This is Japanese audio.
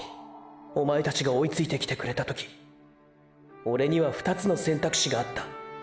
おまえたちが追いついてきてくれた時オレには「２つの選択肢」があった。